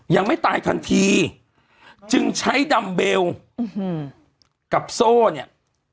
ยังไม่ตายทันทีจึงใช้ดัมเบลกับโซ่เนี่ย